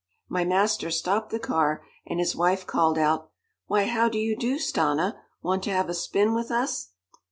My master stopped the car, and his wife called out, "Why, how do you do, Stanna want to have a spin with us?"